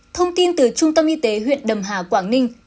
thông tin từ trung tâm y tế huyện đầm hà quảng ninh